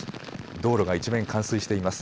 道路が一面冠水しています。